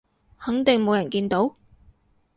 肯定冇人見到？